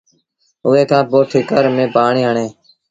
اُئي کآݩ پوء ٺِڪر ميݩ پآڻيٚ هڻي